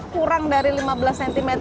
kurang dari lima belas cm